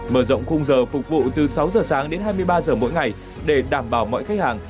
mở rộng khung giờ phục vụ từ sáu giờ sáng đến hai mươi ba giờ mỗi ngày để đảm bảo mọi khách hàng